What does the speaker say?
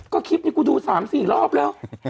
ก็คลิปนี้กูดู๓๔รอบแล้ว